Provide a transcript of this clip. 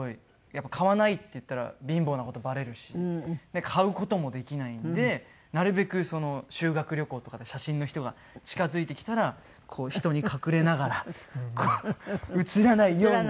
やっぱり「買わない」って言ったら貧乏な事バレるし買う事もできないんでなるべく修学旅行とかで写真の人が近づいてきたら人に隠れながらこう写らないように。